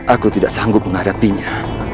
aku tidak sanggup menghadapinya